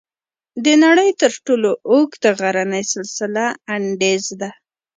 د نړۍ تر ټولو اوږد غرنی سلسله "انډیز" ده.